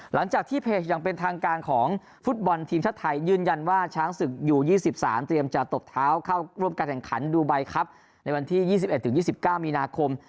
หลังจากที่เพจอย่างเป็นทางการของฟุตบอลทีมชาติไทยยืนยันว่าช้างศึกอยู่๒๓เตรียมจะตบเท้าเข้าร่วมการแข่งขันดูไบครับในวันที่๒๑๒๙มีนาคม